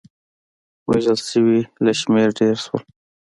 وژل شوي له شمېر ډېر شول.